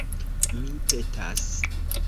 Mi petas!